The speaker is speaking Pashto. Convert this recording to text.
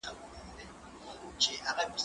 هغه څوک چي سبزیحات پاخوي روغ وي؟!